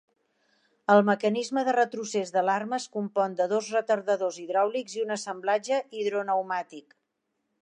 El mecanisme de retrocés de l'arma es compon de dos retardadors hidràulics i un assemblatge hidropneumàtic.